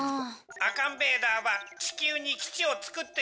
アカンベーダーは地球に基地を作っているんです。